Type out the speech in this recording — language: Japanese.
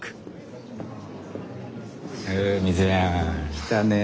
来たねえ。